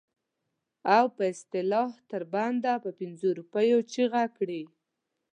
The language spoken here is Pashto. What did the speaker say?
او په اصطلاح تر بنده په پنځو روپو چیغه کړي.